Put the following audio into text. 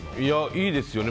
いいですよね。